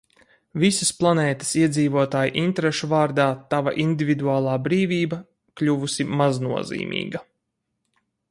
Visas planētas iedzīvotāju interešu vārdā tava individuālā brīvība kļuvusi maznozīmīga.